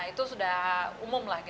itu sudah umum lah